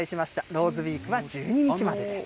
ローズウィークは１２日までです。